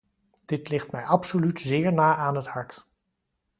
Dit ligt mij absoluut zeer na aan het hart.